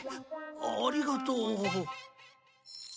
ありがとう。